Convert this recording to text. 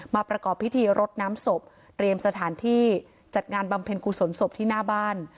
ประกอบพิธีรดน้ำศพเตรียมสถานที่จัดงานบำเพ็ญกุศลศพที่หน้าบ้าน